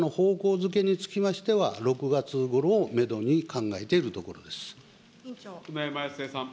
づけにつきましては６月ごろをメドに考えているところ舟山康江さん。